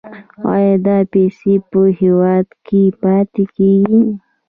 آیا دا پیسې په هیواد کې پاتې کیږي؟